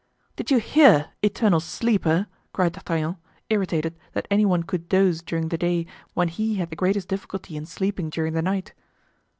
"Did you hear, eternal sleeper?" cried D'Artagnan, irritated that any one could doze during the day, when he had the greatest difficulty in sleeping during the night.